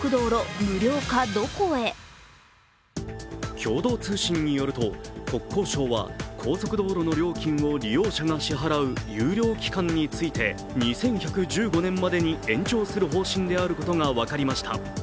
共同通信によると、国交省は高速道路の料金を利用者が支払う有料期間について２１１５年までに延長する方針であることが分かりました。